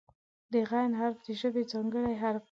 د "غ" حرف د ژبې ځانګړی حرف دی.